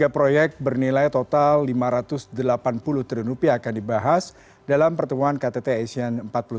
tiga proyek bernilai total rp lima ratus delapan puluh triliun rupiah akan dibahas dalam pertemuan ktt asian empat puluh tiga